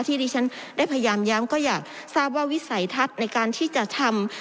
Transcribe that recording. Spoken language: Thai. ที่ดิฉันได้พยายามย้ำก็อยากทราบว่าวิสัยทัศน์ในการที่จะทำ